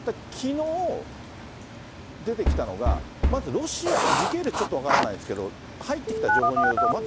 きのう出てきたのが、まず、時系列ちょっと分からないですけど、入ってきた情報によると、